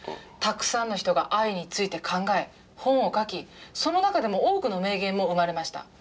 たくさんの人が「愛」について考え本を書きその中でも多くの名言も生まれました。